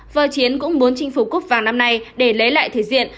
vợ chiến cũng muốn chinh phủ cup vào năm nay để lấy lại thể diện